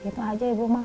itu aja ibu mah